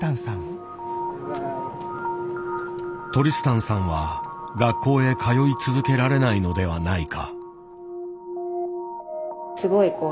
トリスタンさんは学校へ通い続けられないのではないか。